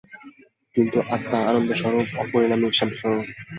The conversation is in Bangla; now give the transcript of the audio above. কিন্তু আত্মা আনন্দস্বরূপ, অপরিণামী, শান্তিস্বরূপ।